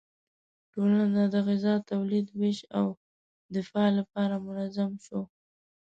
ټولنه د غذا تولید، ویش او دفاع لپاره منظم شوه.